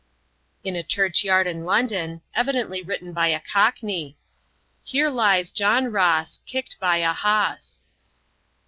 In a church yard in London, evidently written by a Cockney: "Here lies John Ross. Kicked by a Hoss."